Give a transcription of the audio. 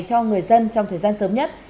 cho người dân trong thời gian sớm nhất